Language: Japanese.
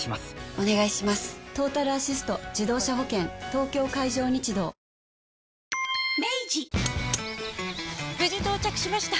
東京海上日動無事到着しました！